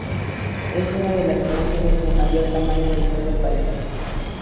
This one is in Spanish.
Es una de las imágenes de mayor tamaño de todo el país.